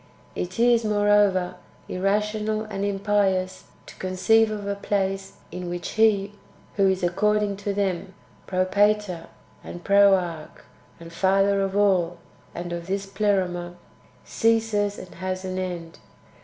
It is, moreover, irrational and impious to conceive of a place in which He who is, according to them, Propator, and Proarche, and Father of all, and of this Pleroma, ceases and has an end.